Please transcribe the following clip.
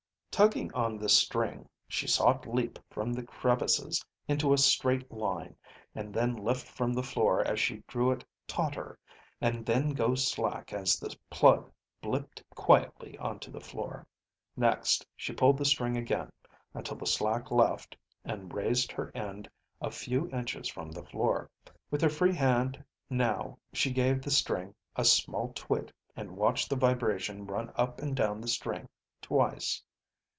Tugging on the string, she saw it leap from the crevices into a straight line and then lift from the floor as she drew it tauter, and then go slack as the plug blipped quietly onto the floor. Next she pulled the string again until the slack left and raised her end a few inches from the floor. With her free hand now she gave the string a small twit and watched the vibration run up and down the string twice.